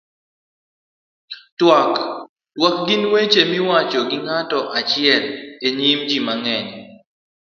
twak. twak gin weche miwacho gi ng'ato achiel e nyim ji mang'eny